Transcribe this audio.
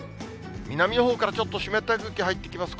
南のほうからちょっと湿った空気入ってきます。